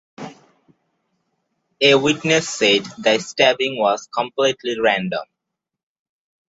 A witness said the stabbing was "completely random".